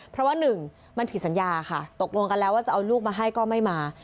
เพราะว่าหนึ่งมันผิดสัญญาค่ะตกลงกันแล้วว่าจะเอาลูกมาให้ก็ไม่มา